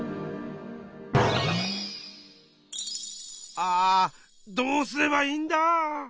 あどうすればいいんだ？